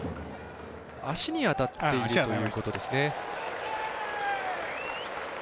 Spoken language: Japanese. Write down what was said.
足に当たっているということですね。